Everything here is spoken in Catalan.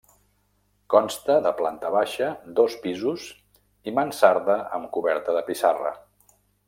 Consta de planta baixa, dos pisos i mansarda amb coberta de pissarra.